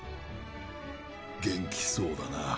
元気そうだな。